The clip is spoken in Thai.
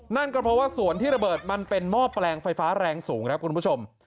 นั่นก็เพราะว่าสวนที่ระเบิดมันเป็นหม้อแปลงไฟฟ้าแรงสูงครับคุณผู้ชม